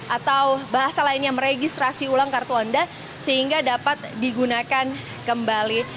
atau bahasa lainnya meregistrasi ulang kartu anda sehingga dapat digunakan kembali